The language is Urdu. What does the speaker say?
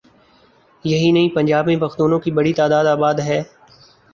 یہی نہیں پنجاب میں پختونوں کی بڑی تعداد آباد ہے۔